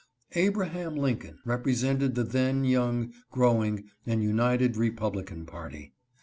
Abraham Lincoln represented the then young, growing, and united republican party.